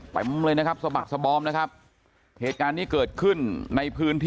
เต็มเลยนะครับสบักสบอมนะครับเหตุการณ์นี้เกิดขึ้นในพื้นที่